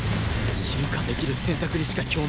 進化できる選択にしか共鳴しない